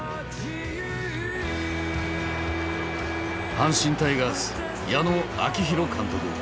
阪神タイガース矢野大監督。